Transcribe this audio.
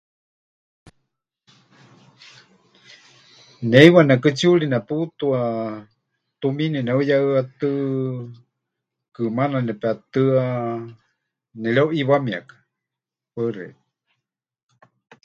Ne heiwa nekɨtsiɨri nepútua tumiini neheuyehɨatɨ́, kɨmaana nepetɨa nereuʼiiwamieka. Paɨ xeikɨ́a.